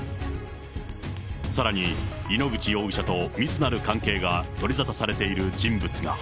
さらに、井ノ口容疑者と密なる関係が取り沙汰されている人物が。